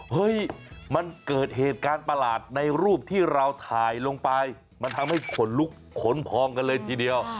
เฮ้ยมันเกิดเหตุการณ์ประหลาดในรูปที่เราถ่ายลงไปมันทำให้ขนลุกขนพองกันเลยทีเดียว